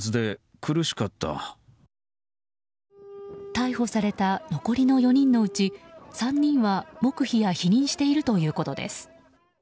逮捕された残りの４人のうち３人は黙秘や否認しているということです。